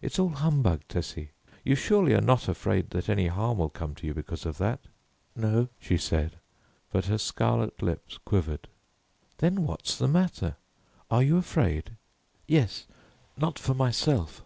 "It's all humbug, Tessie; you surely are not afraid that any harm will come to you because of that." "No," she said, but her scarlet lips quivered. "Then, what's the matter? Are you afraid?" "Yes. Not for myself."